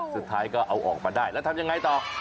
สุดท้ายก็เอาออกมาได้แล้วทำยังไงต่อ